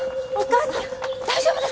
あっ大丈夫です。